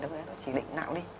thì chị định nạo đi